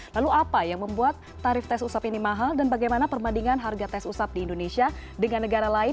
lalu apa yang membuat tarif tes usap ini mahal dan bagaimana perbandingan harga tes usap di indonesia dengan negara lain